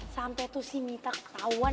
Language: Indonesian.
sampai tuh si mita ketauan